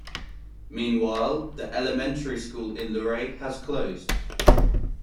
Meanwhile, the elementary school in Luray has closed.